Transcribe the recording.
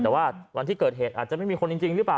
แต่ว่าวันที่เกิดเหตุอาจจะไม่มีคนจริงหรือเปล่า